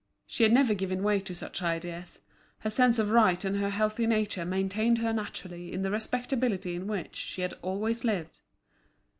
She had never given way to such ideas; her sense of right and her healthy nature maintained her naturally in the respectability in which she had always lived.